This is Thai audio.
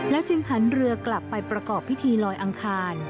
จึงหันเรือกลับไปประกอบพิธีลอยอังคาร